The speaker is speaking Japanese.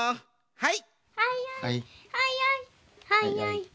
はい！